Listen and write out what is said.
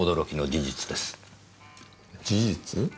事実？